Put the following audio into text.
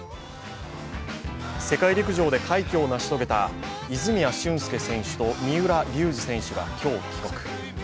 世界陸上で快挙を成し遂げた泉谷駿介選手と三浦龍司選手が今日、帰国。